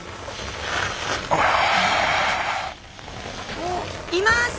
・おおいます！